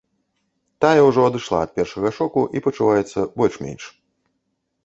Тая ўжо адышла ад першага шоку і пачуваецца больш-менш.